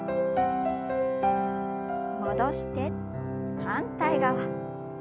戻して反対側。